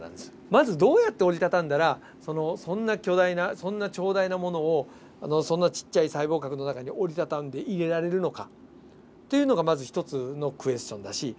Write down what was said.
まずどうやって折りたたんだらそんな巨大な長大なものをそんなちっちゃい細胞核の中に折りたたんで入れられるのかっていうのがまず一つのクエスチョンだし。